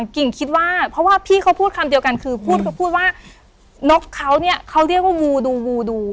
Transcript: กิ่งคิดว่าเพราะว่าพี่เขาพูดคำเดียวกันคือพูดเขาพูดว่านกเขาเนี่ยเขาเรียกว่างูดูงูดู